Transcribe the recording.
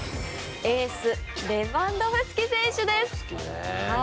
エースレバンドフスキ選手です。